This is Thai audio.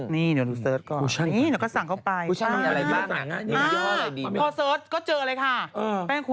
นี่ถูกเสร็จก่อน